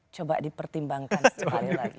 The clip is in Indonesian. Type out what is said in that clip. coba dipertimbangkan sekali lagi